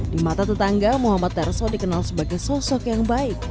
di mata tetangga muhammad terso dikenal sebagai sosok yang baik